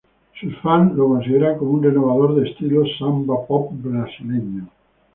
Sus fans le consideran como un renovador de estilo samba-pop brasileño.